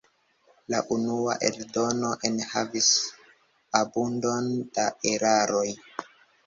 La unua eldono enhavis abundon da eraroj.